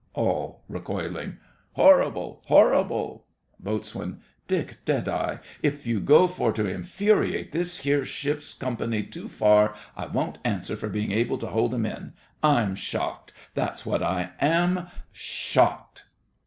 ALL (recoiling). Horrible! horrible! BOAT. Dick Deadeye, if you go for to infuriate this here ship's company too far, I won't answer for being able to hold 'em in. I'm shocked! that's what I am—shocked!